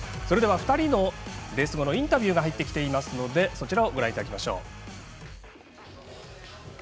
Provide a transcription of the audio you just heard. それでは２人のレース後のインタビュー入ってきているのでそちらをご覧いただきましょう。